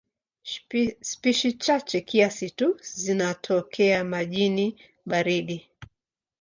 Spishi chache kiasi tu zinatokea majini baridi.